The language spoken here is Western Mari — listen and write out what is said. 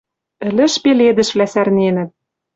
Ӹлӹш пеледӹшвлӓ сӓрненӹт